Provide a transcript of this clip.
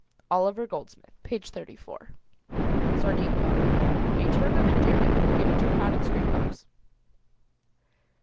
Oliver Goldsmith, page 34. SARDINE CAR. A term of endearment given to crowded street cars.